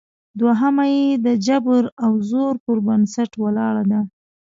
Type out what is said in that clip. دوهمه یې د جبر او زور پر بنسټ ولاړه ده